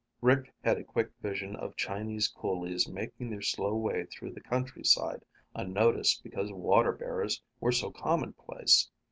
Rick had a quick vision of Chinese coolies making their slow way through the countryside, unnoticed because water bearers were so commonplace.